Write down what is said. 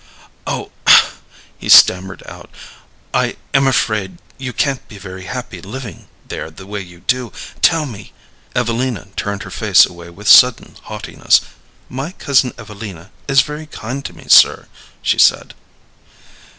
"Oh," he stammered out, "I am afraid you can't be very happy living there the way you do. Tell me " Evelina turned her face away with sudden haughtiness. "My cousin Evelina is very kind to me, sir," she said.